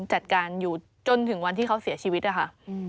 จัดการอยู่จนถึงวันที่เขาเสียชีวิตนะคะ